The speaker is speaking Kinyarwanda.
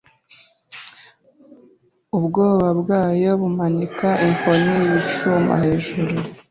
ubwoba bwabo bumanika inkoni yicyuma hejuru